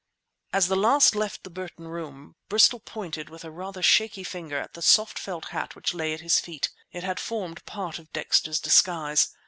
As the last left the Burton Room, Bristol pointed, with a rather shaky finger, at the soft felt hat which lay at his feet. It had formed part of Dexter's disguise.